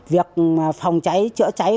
việc phòng cháy chữa cháy